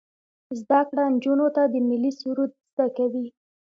زده کړه نجونو ته د ملي سرود زده کوي.